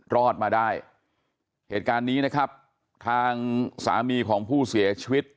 รอดมาได้เหตุการณ์นี้นะครับทางสามีของผู้เสียชีวิต